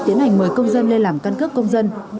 tiến hành mời công dân lên làm căn cước công dân